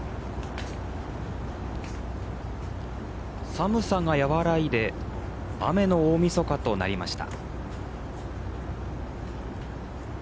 寒さが和らいで雨の大みそかとなりました。